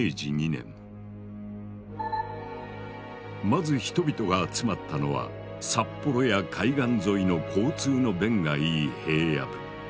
まず人々が集まったのは札幌や海岸沿いの交通の便がいい平野部。